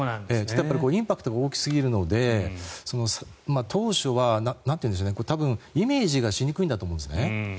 インパクトが大きすぎるので当初は多分イメージがしにくいんだと思うんですね。